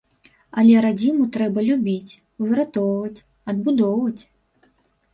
Але радзіму трэба любіць, выратоўваць, адбудоўваць.